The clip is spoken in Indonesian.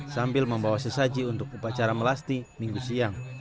sambil membawa sesaji untuk upacara melasti minggu siang